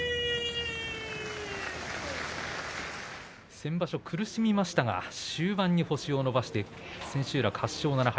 先場所苦しみましたが終盤に星を伸ばして千秋楽８勝７敗